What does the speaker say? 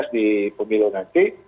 tujuh belas di pemilu nanti